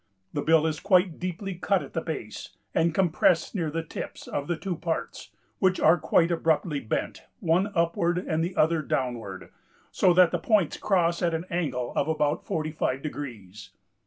The bill is quite deeply cut at the base and compressed near the tips of the two parts, which are quite abruptly bent, one upward and the other downward, so that the points cross at an angle of about forty five degrees.